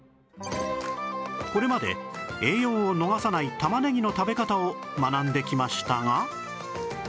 これまで栄養を逃さない玉ねぎの食べ方を学んできましたが